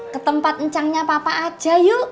ketempat encangnya papa aja yuk